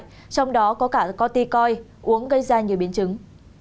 trong đó có cả corticoin uống gây ra nhiều biến chứng